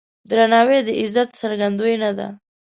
درناوی د عزت څرګندونه ده.